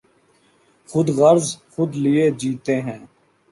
خود غرض خود لئے جیتے ہیں۔